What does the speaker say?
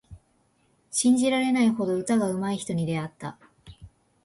信じられないほど歌がうまい人に出会った。